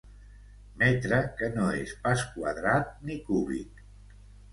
Metre que no és pas quadrat ni cúbic.